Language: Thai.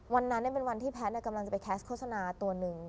วันนั้นเป็นวันที่แพทย์กำลังจะไปแคสต์โฆษณาตัวหนึ่ง